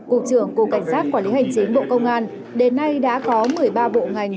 cục trưởng cục cảnh sát quản lý hành chính bộ công an đến nay đã có một mươi ba bộ ngành